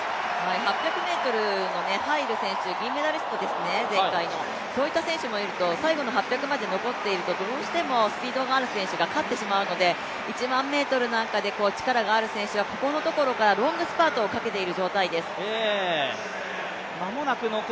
８００ｍのハイル選手、前回の銀メダリストですね、そういった選手もいると最後の８００まで残っているとどうしてもスピードがある選手が勝ってしまうので１００００ｍで力がある選手はここのところからロングスパートをかけている状態です。